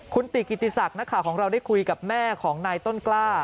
คุณติกิติศักดิ์นักข่าวของเราได้คุยกับแม่ของนายต้นกล้า